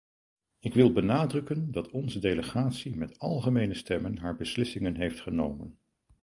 Ik wil benadrukken dat onze delegatie met algemene stemmen haar beslissingen heeft genomen.